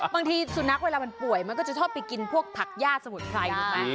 บางทีสุนัขเวลามันป่วยก็จะชอบไปกินผักญาติสมุนไพร